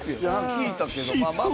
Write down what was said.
聞いたけどまあまあ